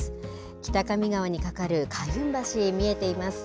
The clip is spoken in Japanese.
北上川に架かる開運橋、見えています。